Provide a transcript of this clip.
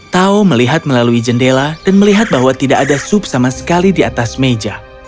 tao melihat melalui jendela dan melihat bahwa tidak ada sup sama sekali di atas meja